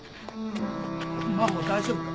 真帆大丈夫か？